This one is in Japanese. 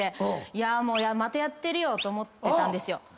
またやってるよと思ってたんですよ。